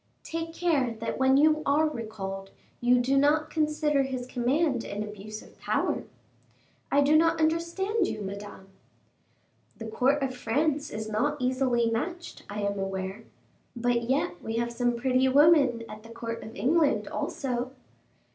"Take care that when you are recalled, you do not consider his command an abuse of power." "I do not understand you, Madame." "The court of France is not easily matched, I am aware, but yet we have some pretty women at the court of England also."